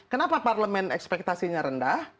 kenapa parlemen ekspektasinya rendah